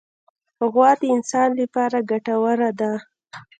غوا د انسان لپاره ګټوره ده.